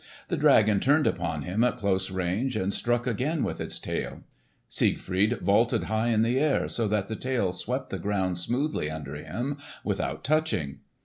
The dragon turned upon him at close range and struck again with its tail. Siegfried vaulted high in the air, so that the tail swept the ground smoothly under him without touching.